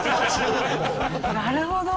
なるほど。